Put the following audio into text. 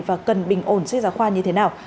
và cần bình ổn sách giáo khoa như thế nào